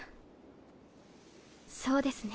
そうですね。